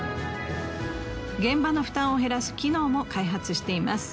現場の負担を減らす機能も開発しています。